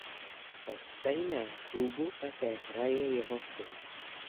Ve stejném klubu také hraje jeho syn.